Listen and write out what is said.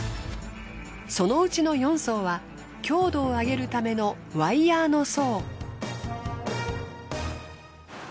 そのうちの４層は強度を上げるためのワイヤーの層。